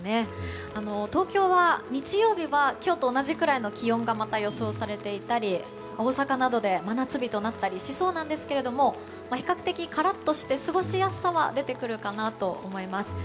東京は日曜日は今日と同じくらいの気温がまた予想されていたり大阪などで真夏日となったりしそうなんですけれども比較的カラッとして過ごしやすさは出てくると思います。